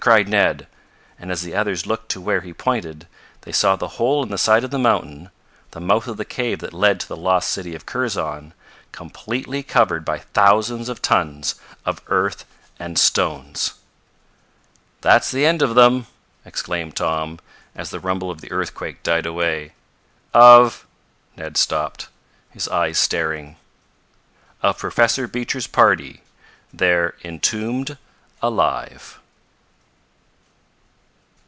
cried Ned, and as the others looked to where he pointed they saw the hole in the side of the mountain the mouth of the cave that led to the lost city of Kurzon completely covered by thousands of tons of earth and stones. "That's the end of them!" exclaimed Tom, as the rumble of the earthquake died away. "Of " Ned stopped, his eyes staring. "Of Professor Beecher's party. They're entombed alive!"